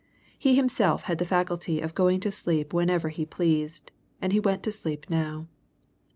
He himself had the faculty of going to sleep whenever he pleased, and he went to sleep now.